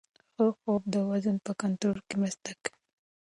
ښه خوب د وزن په کنټرول کې مرسته کوي.